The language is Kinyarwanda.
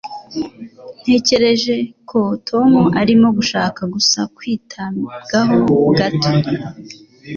Ntekereza ko Tom arimo gushaka gusa kwitabwaho gato.